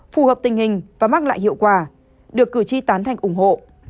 phù hợp tình hình và mang lại hiệu quả được cử tri tán thành ủng hộ